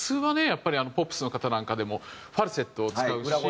やっぱりポップスの方なんかでもファルセットを使うし。